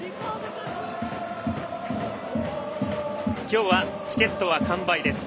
今日はチケットは完売です。